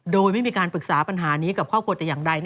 โดยไม่มีการปรึกษาปัญหานี้กับครอบครัวแต่อย่างใด